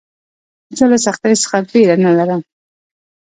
زه له سختیو څخه بېره نه لرم.